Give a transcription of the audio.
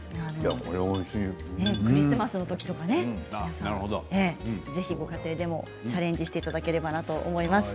クリスマスのときとかぜひご家庭でチャレンジしていただければと思います。